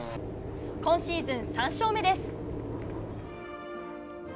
今シーズン３勝目です。